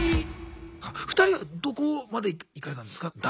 ２人はどこまで行かれたんですか？